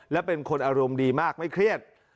และเป็นคนอารมณ์ดีมากไม่เครียด